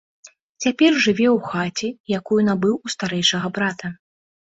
Цяпер жыве ў хаце, якую набыў у старэйшага брата.